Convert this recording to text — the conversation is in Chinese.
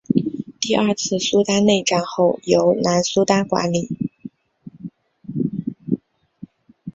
第二次苏丹内战后由南苏丹管理。